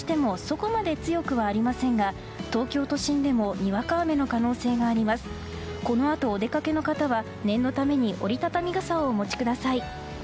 このあとお出かけの方は念のために折り畳み傘をお持ちください。